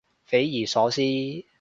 匪夷所思